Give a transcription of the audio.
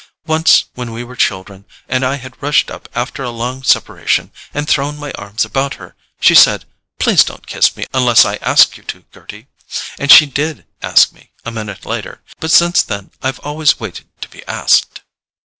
Once, when we were children, and I had rushed up after a long separation, and thrown my arms about her, she said: 'Please don't kiss me unless I ask you to, Gerty'—and she DID ask me, a minute later; but since then I've always waited to be asked."